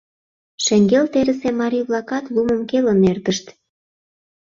Шеҥгел терысе марий-влакат лумым келын эртышт.